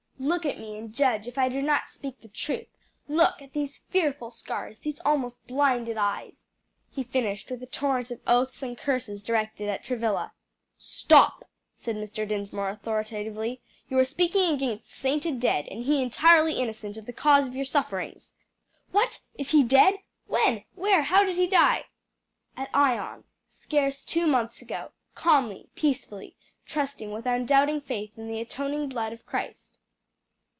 Look at me and judge if I do not speak the truth; look at these fearful scars, these almost blinded eyes." He finished with a torrent of oaths and curses directed at Travilla. "Stop!" said Mr. Dinsmore authoritatively, "you are speaking against the sainted dead, and he entirely innocent of the cause of your sufferings." "What! is he dead? When? where? how did he die?" "At Ion, scarce two months ago, calmly, peacefully, trusting with undoubting faith in the atoning blood of Christ."